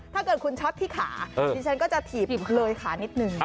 ถ้าเกิดคุณช็อตที่ขาดิฉันก็จะถีบเลยขานิดนึง